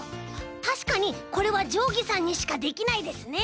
たしかにこれはじょうぎさんにしかできないですね。